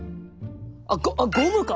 あっゴムか。